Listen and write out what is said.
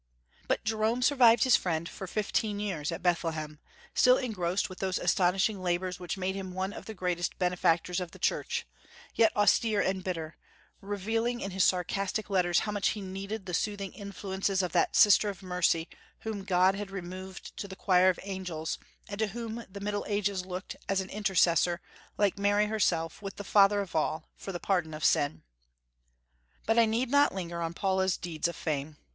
But Jerome survived his friend for fifteen years, at Bethlehem, still engrossed with those astonishing labors which made him one of the greatest benefactors of the Church, yet austere and bitter, revealing in his sarcastic letters how much he needed the soothing influences of that sister of mercy whom God had removed to the choir of angels, and to whom the Middle Ages looked as an intercessor, like Mary herself, with the Father of all, for the pardon of sin. But I need not linger on Paula's deeds of fame.